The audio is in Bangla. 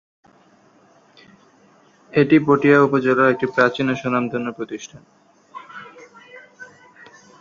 এটি পটিয়া উপজেলার একটি প্রাচীন ও স্বনামধন্য শিক্ষা প্রতিষ্ঠান।